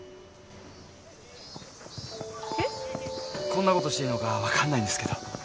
こんなことしていいのか分かんないんですけど。